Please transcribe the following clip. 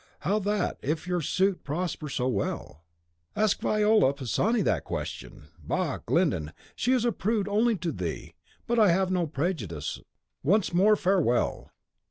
How that, if your suit prosper so well?" "Ask Viola Pisani that question. Bah! Glyndon, she is a prude only to thee. But I have no prejudices. Once more, farewell."